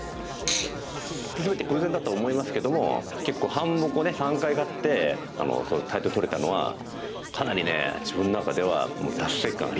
全て偶然だと思いますけども結構半目を３回勝ってタイトル取れたのはかなりね自分の中では達成感ありましたね。